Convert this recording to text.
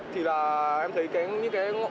thì là em thấy những loại hình đa cấp nó phức tạp hơn